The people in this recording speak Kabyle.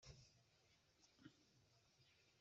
Iḥemmel ad yesseww?